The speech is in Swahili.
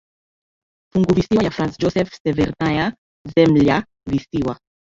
Funguvisiwa ya Franz Josef Severnaya Zemlya Visiwa